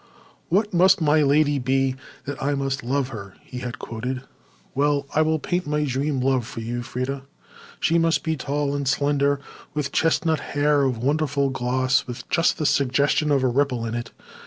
"'What must my lady be that I must love her?'" he had quoted. "Well, I will paint my dream love for you, Freda. She must be tall and slender, with chestnut hair of wonderful gloss, with just the suggestion of a ripple in it.